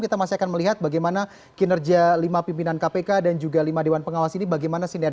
kita masih akan melihat bagaimana kinerja lima pimpinan kpk dan juga lima dewan pengawas ini bagaimana siner